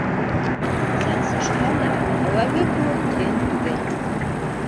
Сәнсешһә лә әүәлге кеүек ҡыйын түгел.